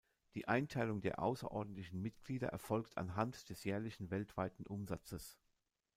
Die Einteilung der außerordentlichen Mitglieder erfolgt anhand des jährlichen weltweiten Umsatzes.